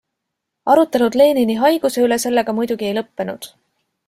Arutelud Lenini haiguse üle sellega muidugi ei lõppenud.